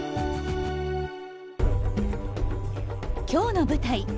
今日の舞台